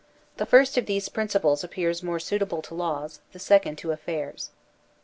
The first of these principles appears more suitable to laws, the second to affairs.